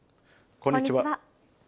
こんにちは。